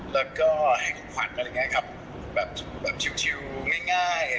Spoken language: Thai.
แล้วก็ให้ขอบควรแบบชิลง่าย